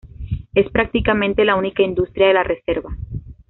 Es prácticamente la única industria de la reserva.